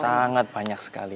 sangat banyak sekali